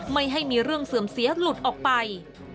ไม่ให้มีเรื่องเสื่อมเสียหลุดออกไป